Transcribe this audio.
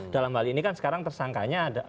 dalam hal ini kan sekarang tersangkanya ada